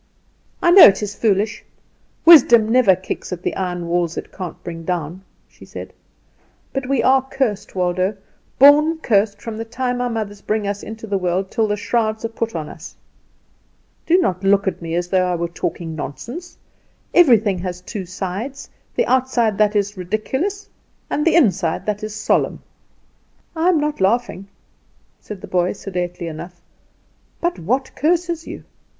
"I know it is foolish. Wisdom never kicks at the iron walls it can't bring down," she said. "But we are cursed. Waldo, born cursed from the time our mothers bring us into the world till the shrouds are put on us. Do not look at me as though I were talking nonsense. Everything has two sides the outside that is ridiculous, and the inside that is solemn." "I am not laughing," said the boy, sedately enough; "but what curses you?"